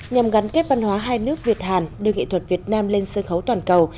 nhằm gắn kết văn hóa hai nước việt hàn đưa nghệ thuật việt nam lên sân khấu toàn cầu